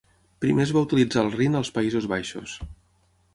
Primer es va utilitzar al Rin als Països Baixos.